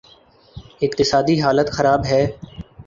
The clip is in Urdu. اقتصادی حالت خراب ہے۔